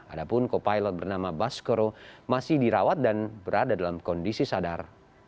ada pun kopilot bernama baskoro masih dirawat dan berada dalam kondisi sadar